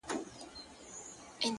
• ځان بېغمه کړه د رېګ له زحمتونو,